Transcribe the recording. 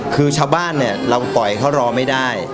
คือชาวบ้านเนี่ยเราปล่อยเขารอไม่ได้